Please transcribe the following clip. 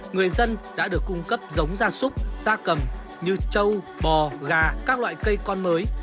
người dân đã được cung cấp giống gia súc gia cầm như châu bò gà các loại cây con mới